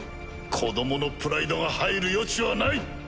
子どものプライドが入る余地はない。